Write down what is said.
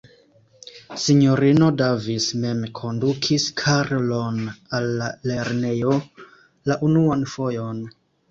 Sinjorino Davis mem kondukis Karlon al la lernejo la unuan fojon.